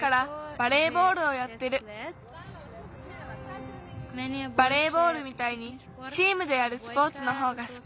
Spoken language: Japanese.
バレーボールみたいにチームでやるスポーツのほうがすき。